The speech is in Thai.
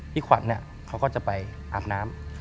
ขวัญเขาก็จะไปอาบน้ำ